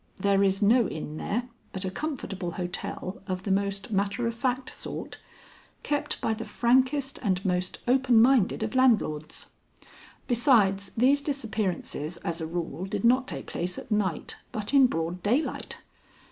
There is no inn there, but a comfortable hotel of the most matter of fact sort, kept by the frankest and most open minded of landlords. Besides, these disappearances, as a rule, did not take place at night, but in broad daylight.